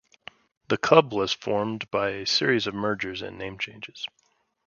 The club was formed by a series of mergers and name changes.